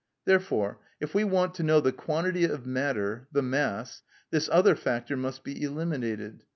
Therefore if we want to know the quantity of matter (the mass) this other factor must be eliminated.